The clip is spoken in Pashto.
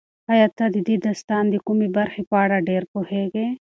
ایا ته د دې داستان د کومې برخې په اړه ډېر پوهېږې؟